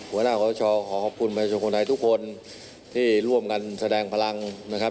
หัวหน้าของเศรษฐ์ชอบขอขอบคุณมหาวิทยาลัยชาติคนไทยทุกคนที่ร่วมกันแสดงพลังนะครับ